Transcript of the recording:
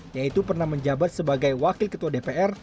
yaitu pernah menjabat sebagai wakil ketua dpr